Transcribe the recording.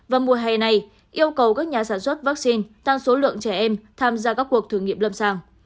vào mùa hè này yêu cầu các nhà sản xuất vaccine tăng số lượng trẻ em tham gia các cuộc thử nghiệm lâm sàng